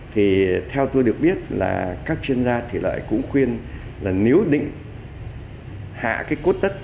thì theo tôi được biết là các chuyên gia thủy lợi cũng khuyên là nếu định hạ cái cốt đất